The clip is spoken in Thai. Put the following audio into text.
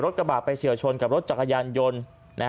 กระบาดไปเฉียวชนกับรถจักรยานยนต์